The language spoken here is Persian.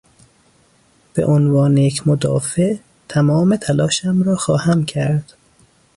به عنوان یک مدافع، تمام تلاشم را خواهم کرد